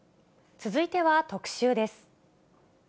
続いては特集です。